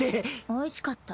おいしかった。